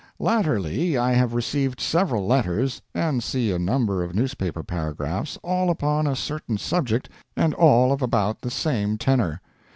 Latterly I have received several letters, and see a number of newspaper paragraphs, all upon a certain subject, and all of about the same tenor.